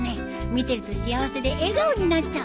見てると幸せで笑顔になっちゃう。